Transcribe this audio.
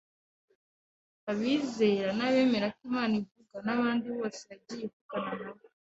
abizera n’abemera ko Imana ivuga n’abandi bose yagiye ivugana nabo,